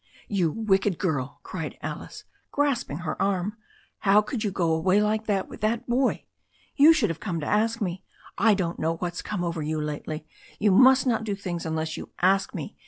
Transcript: "You wicked girl," cried Alice, grasping her arm. "How could you go away like that with that boy? You should have come to ask me — I don't know what's come over you lately — ^you must not do things unless you ask me.